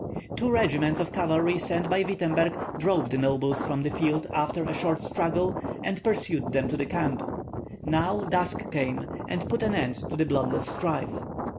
Two regiments of cavalry sent by Wittemberg drove the nobles from the field after a short struggle, and pursued them to the camp. Now dusk came, and put an end to the bloodless strife.